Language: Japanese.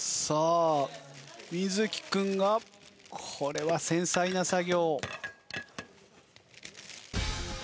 さあ瑞稀君がこれは繊細な作業。